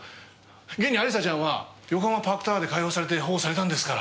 現に亜里沙ちゃんは横浜パークタワーで解放されて保護されたんですから。